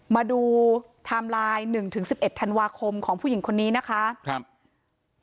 มาดูไทม์ไลน์หนึ่งถึงสิบเอ็ดธันวาคมของผู้หญิงคนนี้นะคะครับ